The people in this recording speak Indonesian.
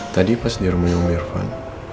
tadi pas di rumahnya umirvan